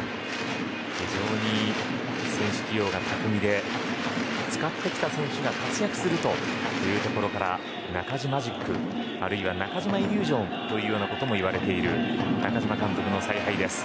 非常に選手起用が巧みで使ってきた選手が活躍するというところからナカジマジック、あるいは中嶋イリュージョンということも言われている中嶋監督の采配です。